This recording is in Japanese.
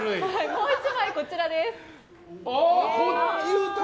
もう１枚、こちらです。